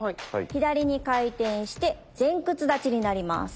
左に回転して前屈立ちになります